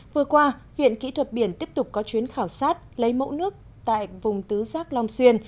vừa qua viện kỹ thuật biển tiếp tục có chuyến khảo sát lấy mẫu nước tại vùng tứ giác long xuyên